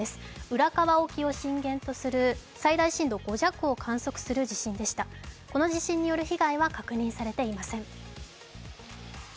浦河沖を震源とする最大震度５弱を観測する地震でしたこの地震による被害は確認されていません。